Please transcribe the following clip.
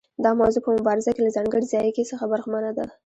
دا موضوع په مبارزه کې له ځانګړي ځایګي څخه برخمنه ده.